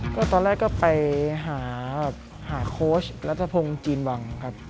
ก็ตอนแรกก็ไปหาโค้ชรัฐพงศ์จีนวังครับ